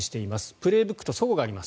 「プレーブック」と齟齬があります。